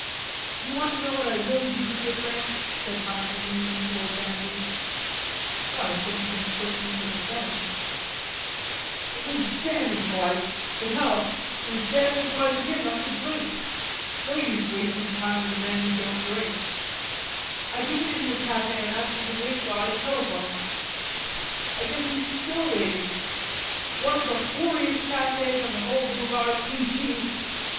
"D'you want to know what I really did with your friend?" said Heineman, leaning towards Andrews. "I hope you didn't push him into the Seine." "It was damn impolite.... But hell, it was damn impolite of him not to drink.... No use wasting time with a man who don't drink. I took him into a cafe and asked him to wait while I telephoned. I guess he's still waiting. One of the whoreiest cafes on the whole Boulevard Clichy."